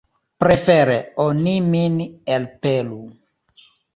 Prefere oni min elpelu.